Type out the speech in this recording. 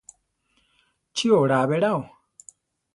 ¿Chi oraa beráo?